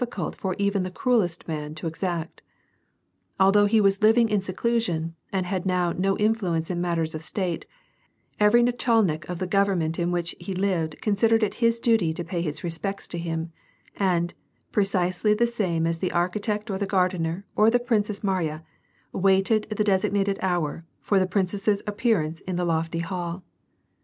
cult for even the cruelest man to exact. Although he was living in seclusion, and had now no influ ence in matters of state, every nachalnik of the government in which he lived considered it his duty to pay his respects to him, and, precisely the same as the architect or the gardener or the Princess Mariya, waited the designated hour for the prince's appearance in the lofty hall.